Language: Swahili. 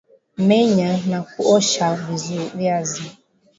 Menya na kuosha viazi